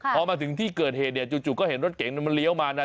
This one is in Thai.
พอมาถึงที่เกิดเหตุเนี่ยจู่ก็เห็นรถเก๋งมันเลี้ยวมานะ